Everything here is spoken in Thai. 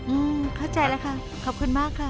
อืมเข้าใจแล้วค่ะขอบคุณมากค่ะ